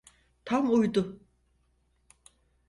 Tam uydu.